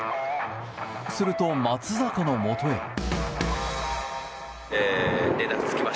すると、松坂のもとへ。